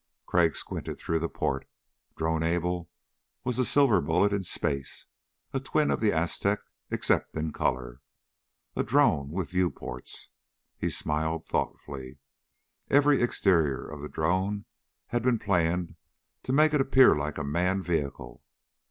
Crag squinted through the port. Drone Able was a silver bullet in space, a twin of the Aztec except in color. A drone with view ports. He smiled thoughtfully. Every exterior of the drone had been planned to make it appear like a manned vehicle.